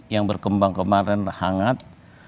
yang berkembang kemarin hangat